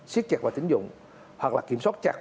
siết chặt vào tính dụng hoặc là kiểm soát chặt